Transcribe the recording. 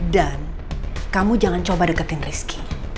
dan kamu jangan coba deketin rizky